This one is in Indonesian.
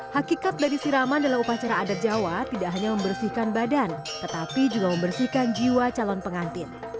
hakikat dari siraman dalam upacara adat jawa tidak hanya membersihkan badan tetapi juga membersihkan jiwa calon pengantin